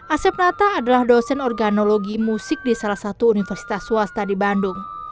asep nata adalah dosen organologi musik di salah satu universitas swasta di bandung